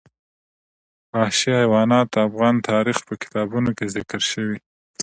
وحشي حیوانات د افغان تاریخ په کتابونو کې ذکر شوی دي.